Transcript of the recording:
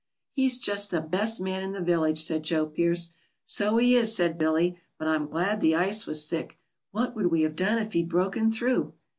"He's just the best man in the village," said Joe Pearce. "So he is," said Billy; "but I'm glad the ice was thick. What would we have done if he'd broken through?"